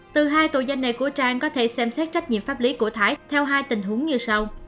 từ hai tội danh này của trang có thể xem xét trách nhiệm pháp lý của thái theo hai tình huống như sau